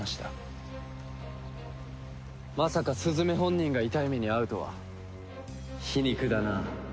まさかスズメ本人が痛い目に遭うとは皮肉だな。